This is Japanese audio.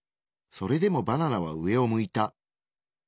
それでもバナナは上を向いた。